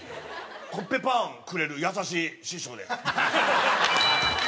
コッペパンくれる優しい師匠です。